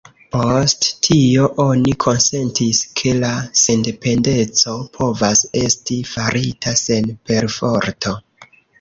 Post tio, oni konsentis, ke la sendependeco povas esti farita sen perforto.